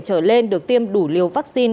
trở lên được tiêm đủ liều vaccine